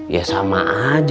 ya sama aja